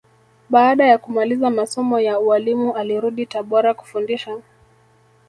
Baada ya kumaliza masomo ya ualimu alirudi Tabora kufundisha